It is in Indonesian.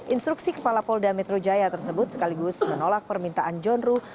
instruksi kepala polda metro jaya tersebut sekaligus menolak permintaan john ruh